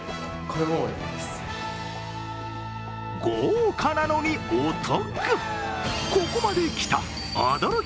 豪華なのに、お得。